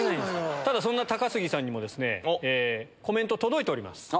ただ、そんな高杉さんにも、コメント届いております。